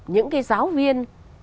những cái giáo viên